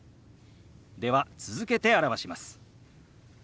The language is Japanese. では続けて表します。